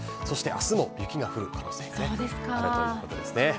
そしてあすも雪が降る可能性があるということですね。